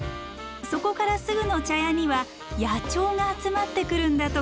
そこからすぐの茶屋には野鳥が集まってくるんだとか。